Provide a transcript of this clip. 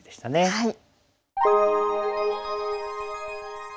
はい。